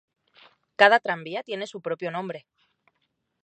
Cada tranvía tiene su propio nombre.